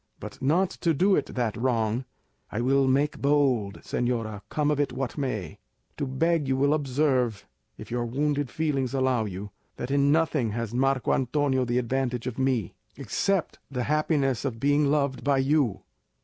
But not to do it that wrong, I will make bold, señora, come of it what may, to beg you will observe, if your wounded feelings allow you, that in nothing has Marco Antonio the advantage of me, except the happiness of being loved by you.